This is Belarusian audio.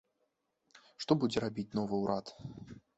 Што будзе рабіць новы ўрад?